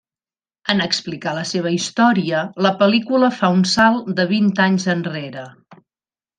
En explicar la seva història la pel·lícula fa un salt de vint anys enrere.